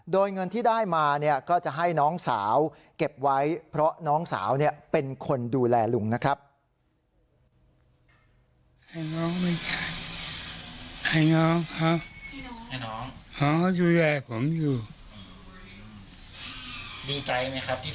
โดยเงินที่ได้มาเนี่ยก็จะให้น้องสาวเก็บไว้เพราะน้องสาวเป็นคนดูแลลุงนะครับ